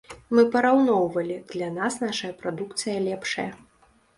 Мы параўноўвалі, для нас нашая прадукцыя лепшая.